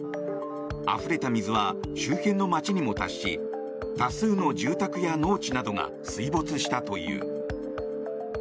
あふれた水は周辺の街にも達し多数の住宅や農地などが水没したという。